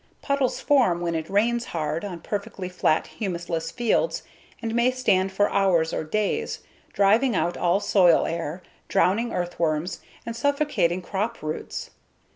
Puddles form when it rains hard on perfectly flat humusless fields and may stand for hours or days, driving out all soil air, drowning earthworms, and suffocating crop roots.